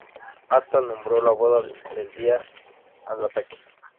Atta nombró "La Boda" al día del ataque.